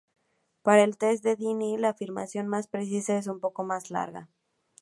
Para el test de Dini, la afirmación más precisa es un poco más larga.